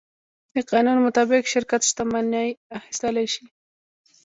د قانون مطابق شرکت شتمنۍ اخیستلی شي.